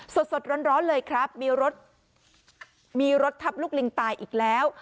สดร้อนเลยครับมีรถมีรถทับลูกลิงตายอีกแล้ว